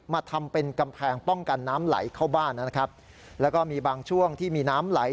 มาทำเป็นกำแพงป้องกันน้ำไหลเข้าบ้านนะครับแล้วก็มีบางช่วงที่มีน้ำไหล